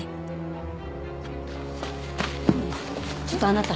ねえちょっとあなた。